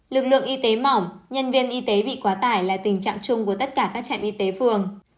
lực lượng y tế mỏng nhân viên y tế bị quá tải là tình trạng chung của tất cả các trạm y tế phường